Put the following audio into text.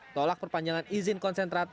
tolak perpanjangan izin konsentrat